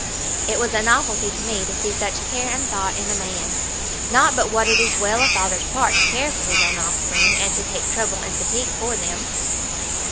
It was a novelty to me to see such care and thought in a man, not but what it is well a father's part to care for his own offspring, and to take trouble and fatigue for them.